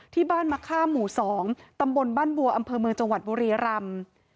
ที่บ้านมะค่าหมู่๒ตำบลบ้านบัวอำเภอเมืองจังหวัดบุรีรำ